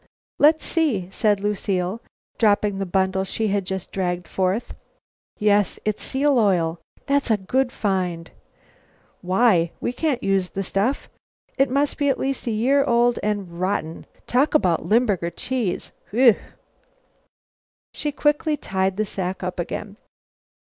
"Let's see," said Lucile, dropping the bundle she had just dragged forth. "Yes, it's seal oil. That's a good find." "Why? We can't use that stuff. It must be at least a year old and rotten. Talk about limburger cheese! Whew!" She quickly tied the sack up again.